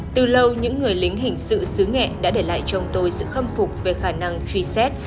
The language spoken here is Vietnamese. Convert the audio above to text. từ lâu những người lính hình sự xứ nghệ đã để lại cho tôi sự khâm phục về khả năng truy xét